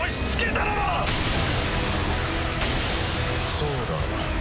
そうだ。